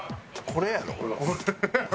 これやろ。